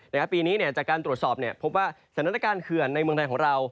ปีนี้จากการตรวจสอบพบว่าสถานการณ์เขื่อนในเมืองไทยของเรา